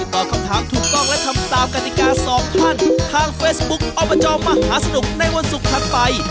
ตอบคำถามถูกต้องและทำตามกติกาสองท่านทางเฟซบุ๊คอบจมหาสนุกในวันศุกร์ถัดไป